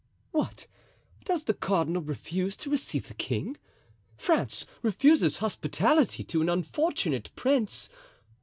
"What? does the cardinal refuse to receive the king? France refuse hospitality to an unfortunate prince?